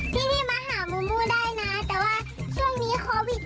พี่นี่มาหามูมูได้นะแต่ว่าช่วงนี้โควิด